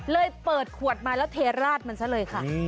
เปิดขวดมาแล้วเทราดมันซะเลยค่ะ